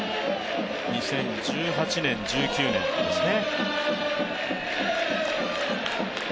２０１８年、１９年ですね。